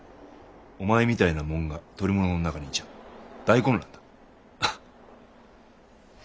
お前みたいな者が捕り物の中にいちゃ大混乱だ。